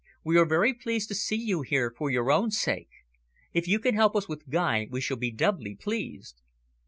We are very pleased to see you here for your own sake. If you can help us with Guy, we shall be doubly pleased."